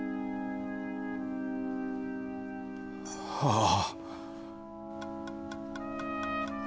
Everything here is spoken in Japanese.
ああ。